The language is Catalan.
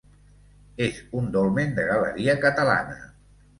És un dolmen de galeria catalana.